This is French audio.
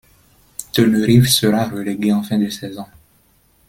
Tenerife sera relégué en fin de saison.